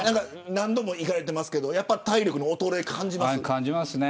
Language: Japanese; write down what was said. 何度も行かれてますけど体力の衰えは感じますか。